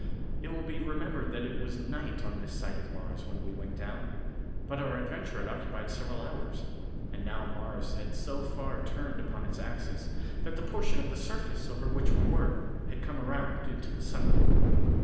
It will be remembered that it was night on this side of Mars when we went down, but our adventure had occupied several hours, and now Mars had so far turned upon its axis that the portion of its surface over which we were had come around into the sunlight.